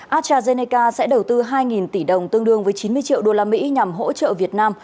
astrazeneca sẽ đầu tư hai tỷ đồng tương đương với chín mươi triệu usd nhằm hỗ trợ việt nam